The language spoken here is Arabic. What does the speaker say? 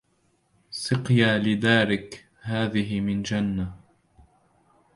سقيا لدارك هذه من جنة